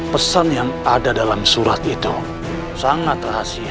pesan yang ada dalam surat itu sangat rahasia